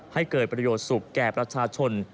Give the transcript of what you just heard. ให้เกิดประโยชน์สุขแก่ประชาชน